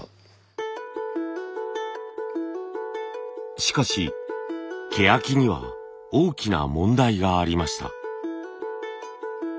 しかしケヤキには大きな問題がありました。